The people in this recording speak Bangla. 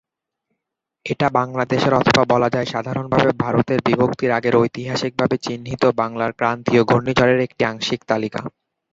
এটা বাংলাদেশ এর অথবা বলাযায় সাধারণভাবে ভারতের বিভক্তির আগের ঐতিহাসিক ভাবে চিহ্নিত বাংলার ক্রান্তীয় ঘূর্ণিঝড়ের একটি আংশিক তালিকা।